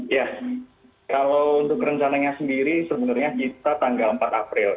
ya kalau untuk rencananya sendiri sebenarnya kita tanggal empat april